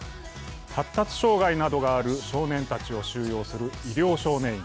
発達障害などがある少年たちを収容する医療少年院。